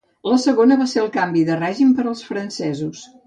La segona va ser el canvi de règim per als francesos.